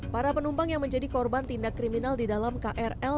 para penumpang yang menjadi korban tindak kriminal di dalam krl